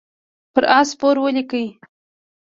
پر آس سپور ولیکئ.